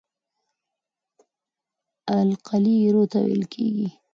القلي ایرو ته ویل کیږي.